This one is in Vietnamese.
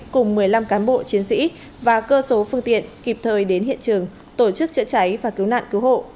cùng một mươi năm cán bộ chiến sĩ và cơ số phương tiện kịp thời đến hiện trường tổ chức chữa cháy và cứu nạn cứu hộ